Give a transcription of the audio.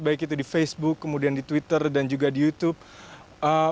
baik itu di facebook kemudian di twitter dan juga di youtube